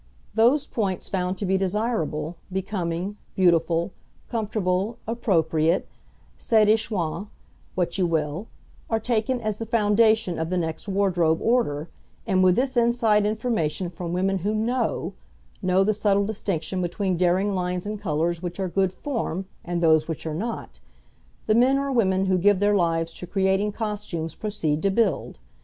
Those points found to be desirable, becoming, beautiful, comfortable, appropriate, séduisant what you will are taken as the foundation of the next wardrobe order, and with this inside information from women who know (know the subtle distinction between daring lines and colours, which are good form, and those which are not), the men or women who give their lives to creating costumes proceed to build.